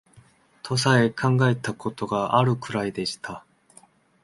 とさえ考えた事があるくらいでした